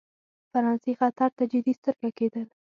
فرانسې خطر ته جدي سترګه کېدل.